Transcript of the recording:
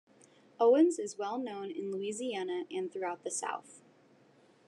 Owens is well known in Louisiana and throughout the South.